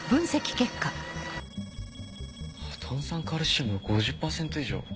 炭酸カルシウムが５０％以上。